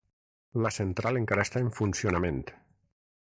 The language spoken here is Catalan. La central encara està en funcionament.